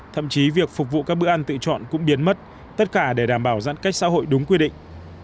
thậm chí việc phục vụ các bữa ăn tự chọn cũng biến mất tất cả để đảm bảo giãn cách xã hội đúng quy định